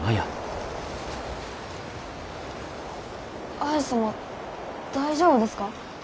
綾様大丈夫ですか？